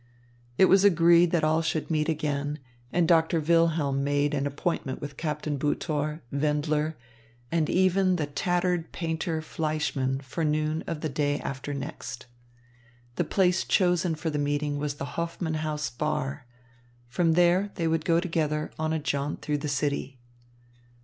It was agreed that all should meet again, and Doctor Wilhelm made an appointment with Captain Butor, Wendler, and even the tattered painter, Fleischmann, for noon of the day after next. The place chosen for the meeting was the Hoffman House bar. From there, they would go together on a jaunt through the city.